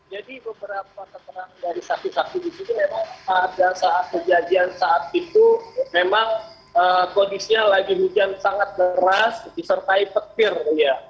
jadi beberapa keterangan dari saksi saksi di situ memang pada saat kejadian saat itu memang kondisinya lagi hujan sangat beras disertai petir ya